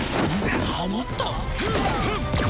ハモった！？